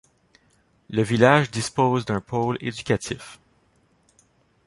Le village dispose d'un pôle éducatif.